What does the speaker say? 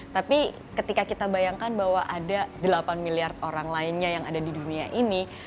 tapi ketika kita bayangkan bahwa ada delapan miliar orang lainnya yang ada di dunia ini